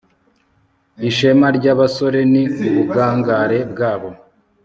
ishema ry'abasore ni ubugangare bwabo